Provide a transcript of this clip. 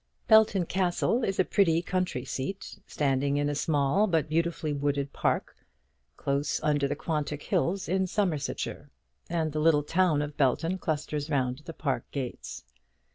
Belton Castle is a pretty country seat, standing in a small but beautifully wooded park, close under the Quantock hills in Somersetshire; and the little town of Belton clusters round the park gates.